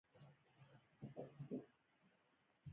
پلار د ژوند رڼا ده.